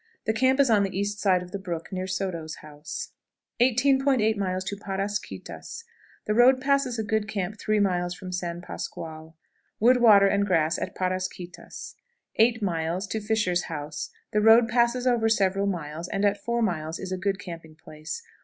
The camp is on the east side of the brook, near Soto's house. 18.80. Parrasquitas. The road passes a good camp three miles from San Pasqual. Wood, Water, and grass at Parrasquitas. 8.00. Fisher's House. The road passes over several hills, and at four miles is a good camping place.